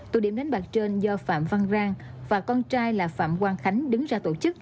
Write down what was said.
tụ điểm đánh bạc trên do phạm văn rang và con trai là phạm quang khánh đứng ra tổ chức